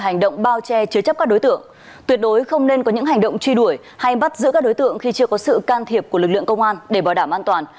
hành động bao che chứa chấp các đối tượng tuyệt đối không nên có những hành động truy đuổi hay bắt giữ các đối tượng khi chưa có sự can thiệp của lực lượng công an để bảo đảm an toàn